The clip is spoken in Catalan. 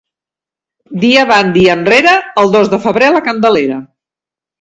Dia avant, dia enrere, el dos de febrer la Candelera.